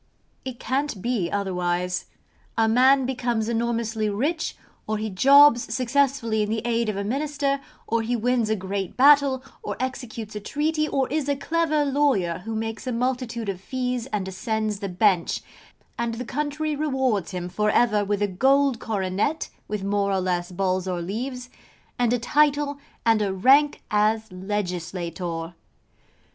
It can't be otherwise. A man becomes enormously rich, or he jobs successfully in the aid of a Minister, or he wins a great battle, or executes a treaty, or is a clever lawyer who makes a multitude of fees and ascends the bench; and the country rewards him for ever with a gold coronet (with more or less balls or leaves) and a title, and a rank as legislator.